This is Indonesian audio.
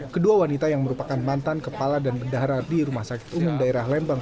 kedua wanita yang merupakan mantan kepala dan bendahara di rumah sakit umum daerah lembang